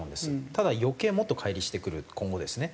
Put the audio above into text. ただ余計もっと乖離してくる今後ですね。